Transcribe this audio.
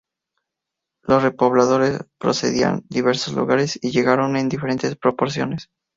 Los repobladores procedían de diversos lugares y llegaron en diferentes proporciones.